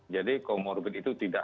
jadi komorbit itu tidak